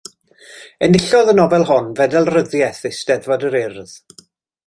Enillodd y nofel hon Fedal Ryddiaith Eisteddfod yr Urdd.